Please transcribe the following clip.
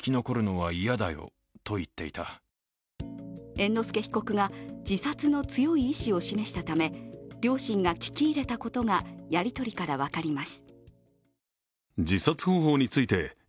猿之助被告が自殺の強い意思を示したため両親が聞き入れたことがやり取りから分かります。